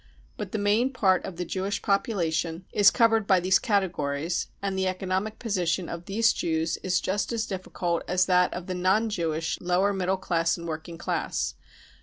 But the main part of the Jewish population is covered by these categories ; and the economic position of these Jews is just as difficult as that of the non Jewish lower middle class and working class.